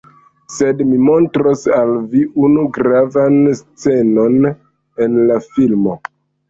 Sed mi montros al vi unu gravan scenon en la filmo